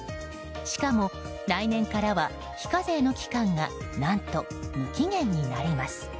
しかも来年からは非課税の期間が何と、無期限になります。